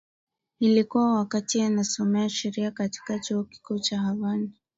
Ilikuwa wakati anasomea sheria katika Chuo Kikuu cha Havana